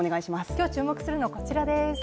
今日注目するのはこちらです。